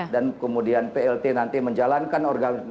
dan kemudian plt nanti menjalankan organ organ